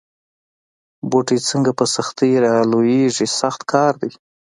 بوټی څنګه په سختۍ را لویېږي سخت کار دی.